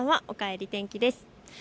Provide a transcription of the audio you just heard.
おかえり天気です。